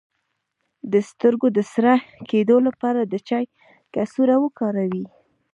د سترګو د سره کیدو لپاره د چای کڅوړه وکاروئ